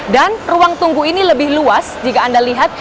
dan ruang tunggu ini lebih luas jika anda lihat